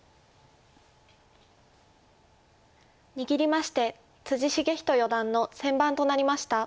握りまして篤仁四段の先番となりました。